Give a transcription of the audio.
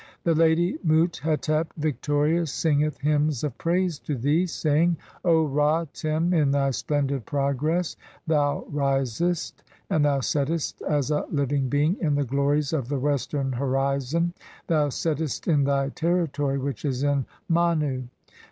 The lady (5) Mut hetep, victorious, singeth hvmns of praise to thee, [saying] : "O Ra Tem, in thy splendid progress thou "risest, and thou settest as a living being in the glories (6) of "the western horizon; thou settest in thy territory which is in "Manu.